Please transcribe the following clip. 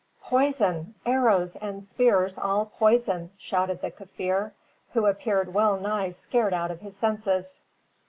"Poison! arrows and spears all poison!" shouted the Kaffir, who appeared well nigh scared out of his senses.